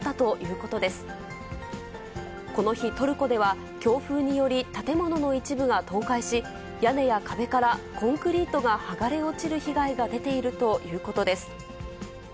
この日、トルコでは、強風により、建物の一部が倒壊し、屋根や壁からコンクリートが剥がれ落ちる被害が出ているということです。